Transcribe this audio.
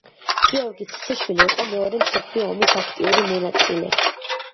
გიორგი ციციშვილი იყო მეორე მსოფლიო ომის აქტიური მონაწილე.